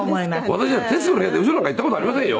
私は『徹子の部屋』で嘘なんか言った事ありませんよ。